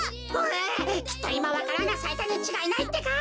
きっといまわか蘭がさいたにちがいないってか。